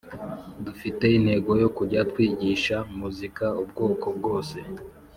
dufite intego yo kujya twigisha muzika ubwoko bwose